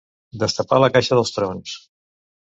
Destapar la caixa dels trons.